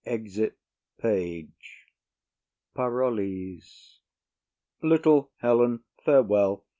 [Exit Page.] PAROLLES. Little Helen, farewell.